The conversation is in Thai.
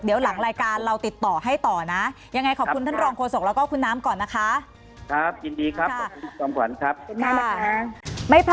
เดี๋ยวหลังรายการเราติดต่อให้ต่อนะยังไงขอบคุณท่านรองโฆษกแล้วก็คุณน้ำก่อนนะคะ